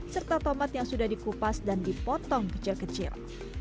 serta tomat yang sudah dikupas dan dipotong kecil kecil